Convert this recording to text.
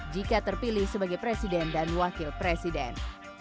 jika terpilih sebagai presiden dan wakil presiden